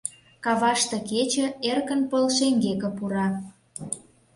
Каваште кече эркын пыл шеҥгеке пура.